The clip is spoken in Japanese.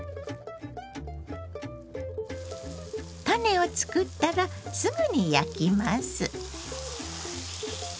タネを作ったらすぐに焼きます。